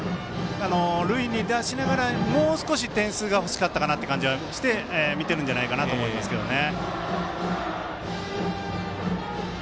塁に出しながらもう少し点数がほしかったかなという気がして見てるんじゃないかなと思いますけどね。